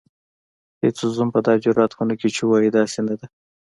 هیڅ زوم به دا جرئت ونکړي چې ووايي داسې نه ده.